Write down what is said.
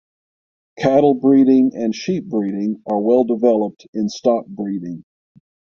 Cattle breeding and sheep breeding are well developed in stockbreeding.